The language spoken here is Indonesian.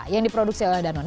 yang diproduksi oleh danone